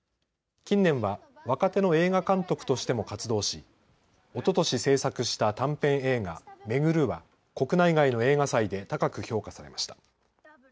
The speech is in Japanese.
近年は若手の映画監督としても活動しおととし製作した短編映画めぐるは国内外の映画祭で高く評価されました。